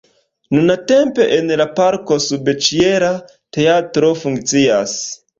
Nuntempe en la parko subĉiela teatro funkcias.